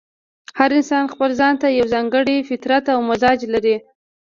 هر انسان ځپل ځان ته یو ځانګړی فطرت او مزاج لري.